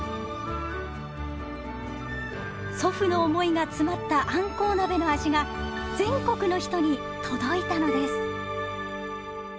祖父の思いが詰まったあんこう鍋の味が全国の人に届いたのです。